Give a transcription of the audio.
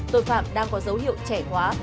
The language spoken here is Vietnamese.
tội phạm đang có dấu hiệu trẻ quá